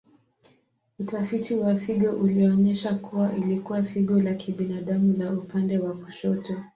Utafiti wa figo ulionyesha kuwa ilikuwa figo la kibinadamu la upande wa kushoto.